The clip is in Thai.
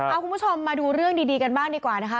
เอาคุณผู้ชมมาดูเรื่องดีกันบ้างดีกว่านะคะ